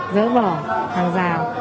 dỡ bỏ hàng rào